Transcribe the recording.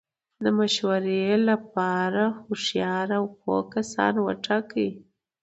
د مشورې له پاره هوښیار او پوه کسان وټاکئ!